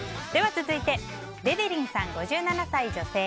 続いて５７歳女性。